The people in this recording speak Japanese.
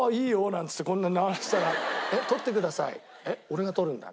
なんっつってこんな直したら「えっ？撮ってください」「えっ俺が撮るんだ？」